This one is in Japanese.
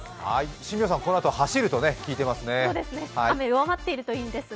新名さん、このあと走ると聞いています。